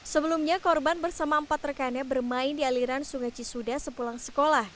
sebelumnya korban bersama empat rekannya bermain di aliran sungai cisuda sepulang sekolah